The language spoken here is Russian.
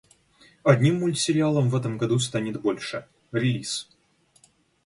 Одним мультсериалом в этом году станет больше, релиз